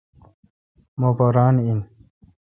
مہ پا ران این۔